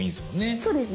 そうですね。